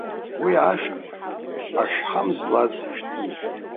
Уи ашәҭ ашҳам злаз шәҭын.